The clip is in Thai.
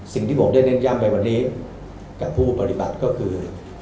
สิ่งที่ผมได้เน้นย้ำไปวันนี้กับผู้ปฏิบัติก็คือ